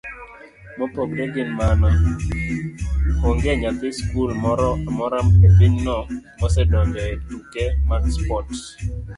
Mopogore gi mano, onge nyathi skul moro amora epinyno mosedonjo etuke mag spot,